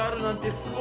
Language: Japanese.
すごい。